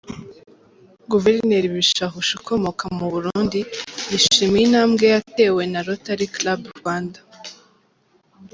Guverineri Bishahushi ukomoka mu Burundi yishimiye intambwe yatewe na Rotary Club Rwanda.